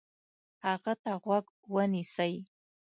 هغه ته غوږ ونیسئ،